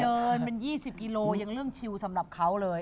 เดินเป็น๒๐กิโลยังเรื่องชิวสำหรับเขาเลย